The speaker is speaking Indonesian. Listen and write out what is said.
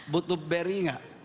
butuh beri enggak